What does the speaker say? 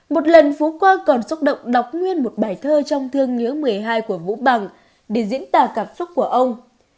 một lần phú qua còn xúc động đọc nguyên một bài thơ trong thương nhớ một mươi hai của vũ bằng để diễn tả cảm xúc của ông